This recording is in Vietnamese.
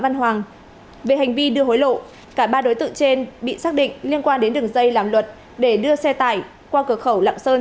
về hành vi đưa hối lộ cả ba đối tượng trên bị xác định liên quan đến đường dây làm luật để đưa xe tải qua cửa khẩu lạng sơn